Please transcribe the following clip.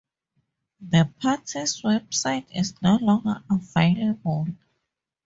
The party's website is no longer available.